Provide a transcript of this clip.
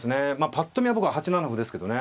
ぱっと見は僕は８七歩ですけどね。